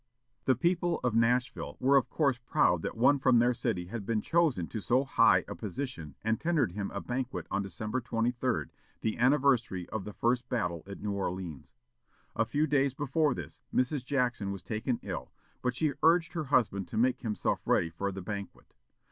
The people of Nashville were of course proud that one from their city had been chosen to so high a position, and tendered him a banquet on December 23, the anniversary of the first battle at New Orleans. A few days before this, Mrs. Jackson was taken ill, but she urged her husband to make himself ready for the banquet.